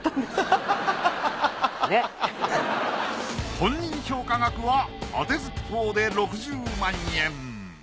本人評価額はあてずっぽうで６０万円。